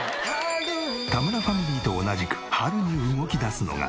田村ファミリーと同じく春に動き出すのが。